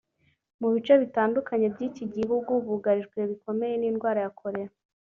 Mu bice bitandukanye by’iki gihugu bugarijwe bikomeye n’indwara ya Kolera